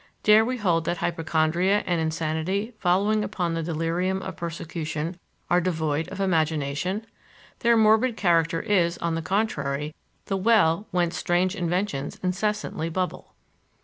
Dare we hold that hypochondria and insanity following upon the delirium of persecution are devoid of imagination? Their morbid character is, on the contrary, the well whence strange inventions incessantly bubble.